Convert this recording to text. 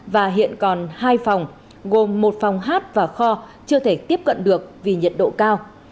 và hiện còn hai phòng gồm một phòng hát và kho chưa thể tiếp cận được vì nhiệt độ cao